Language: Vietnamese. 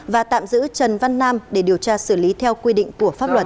và tạm giữ trần văn nam để điều tra xử lý theo quy định của pháp luật